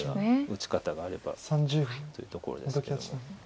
打ち方があればというところですけども。